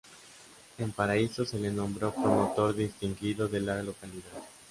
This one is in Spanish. En Paraíso se le nombró promotor distinguido de la localidad.